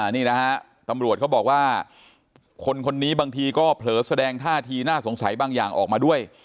นี่นะฮะตำรวจเขาบอกว่าคนคนนี้บางทีก็เผลอแสดงท่าทีน่าสงสัยบางอย่างออกมาด้วย